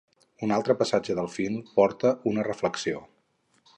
Un altre passatge del film porta una reflexió.